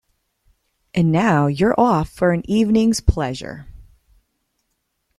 And now you're off for an evening's pleasure.